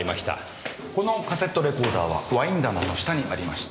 このカセットレコーダーはワイン棚の下にありました。